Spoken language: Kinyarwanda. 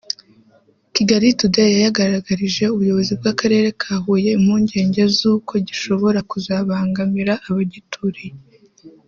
kigalitoday yari yagaragarije ubuyobozi bw’Akarere ka Huye impungenge z’uko gishobora kuzabangamira abagituriye